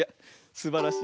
すばらしい。